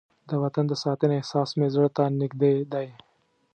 د وطن د ساتنې احساس مې زړه ته نږدې دی.